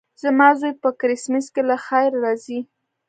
زما زوی په کرېسمس کې له خیره راځي.